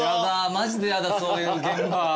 マジでやだそういう現場。